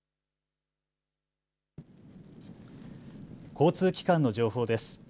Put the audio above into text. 交通機関の情報です。